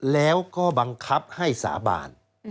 แล้วก็บังคับให้สาบาน